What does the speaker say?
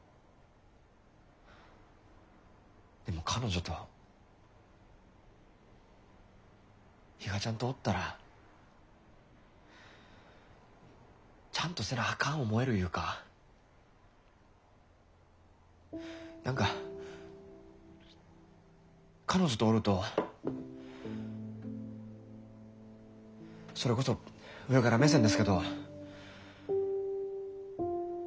でも彼女と比嘉ちゃんとおったらちゃんとせなあかん思えるいうか何か彼女とおるとそれこそ上から目線ですけど。